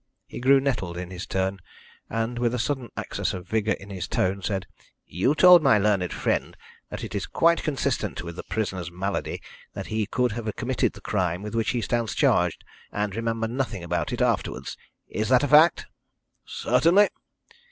He grew nettled in his turn, and, with a sudden access of vigour in his tone, said: "You told my learned friend that it is quite consistent with the prisoner's malady that he could have committed the crime with which he stands charged, and remember nothing about it afterwards. Is that a fact?" "Certainly."